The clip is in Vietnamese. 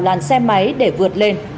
làn xe máy để vượt lên